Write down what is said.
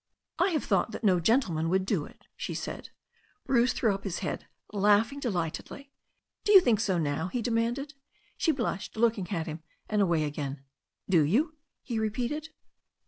"I have thought that no gentleman would do it," she said. Bruce threw up his head, laughing delightedly. "Do you think so now ?" he demanded She blushed, look ing at him and away ag^in. "Do you?" he repeated.